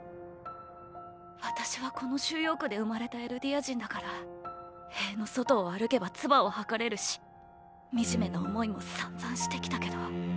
私はこの収容区で生まれたエルディア人だから塀の外を歩けばツバを吐かれるし惨めな思いも散々してきたけど。